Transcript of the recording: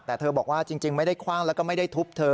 แต่เธอบอกว่าจริงไม่ได้คว่างแล้วก็ไม่ได้ทุบเธอ